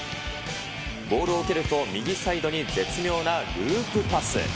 ボールを受けると、右サイドに絶妙なループパス。